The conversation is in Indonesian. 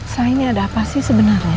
saya ini ada apa sih sebenarnya